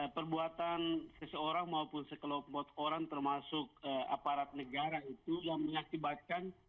perbuatan seseorang maupun sekelompok orang termasuk aparat negara itu yang mengakibatkan